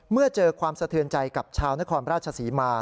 เมื่อเจอความสะเทือนใจกับชาวนครราชศรีมา